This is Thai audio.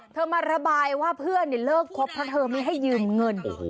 มาระบายว่าเพื่อนเลิกครบเพราะเธอไม่ให้ยืมเงิน